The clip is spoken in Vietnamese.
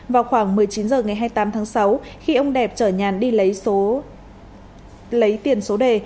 vào khoảng một mươi chín h ngày hai mươi tám tháng sáu khi ông đẹp chở nhàn đi lấy tiền số đề